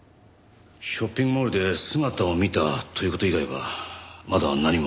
ショッピングモールで姿を見たという事以外はまだ何も。